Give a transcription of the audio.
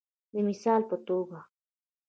د مثال په توګه